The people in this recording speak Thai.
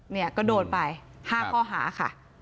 เนี่ยก็โดนไป๕ข้อหาค่ะ